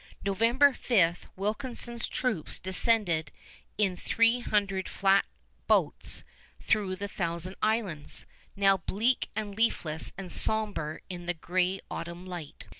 November 5 Wilkinson's troops descended in three hundred flat boats through the Thousand Islands, now bleak and leafless and somber in the gray autumn light.